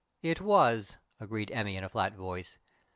"It was," agreed Emmy, in a flat voice.